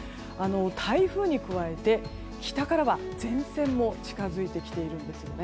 台風に加えて北からは前線も近づいてきているんです。